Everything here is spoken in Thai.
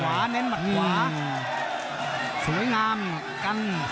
เน้นมัดขวาเน้นมัดขวาสวยงามกัน